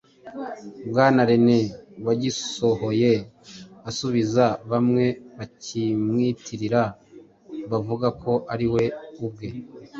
Bwana René wagisohoye asubiza bamwe bakimwitirira bavuga ko ari we ubwe